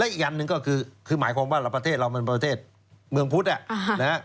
อีกอันหนึ่งก็คือหมายความว่าประเทศเรามันประเทศเมืองพุทธนะฮะ